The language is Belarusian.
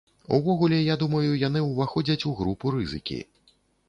Увогуле, я думаю, яны ўваходзяць у групу рызыкі.